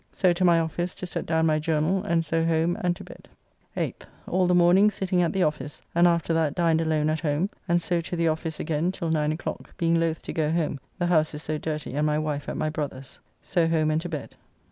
So to my office to set down my journal, and so home and to bed. 8th. All the morning sitting at the office, and after that dined alone at home, and so to the office again till 9 o'clock, being loth to go home, the house is so dirty, and my wife at my brother's. So home and to bed.